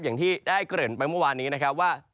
อย่างที่ได้เกิดไปเมื่อวานนี้ว่า